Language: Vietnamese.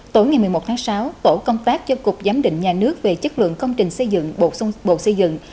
tối ngày một mươi một tháng sáu tổ công tác cho cục giám định nhà nước về chất lượng công trình xây dựng